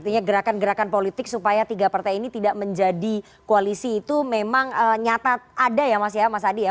artinya gerakan gerakan politik supaya tiga partai ini tidak menjadi koalisi itu memang nyata ada ya mas ya mas adi ya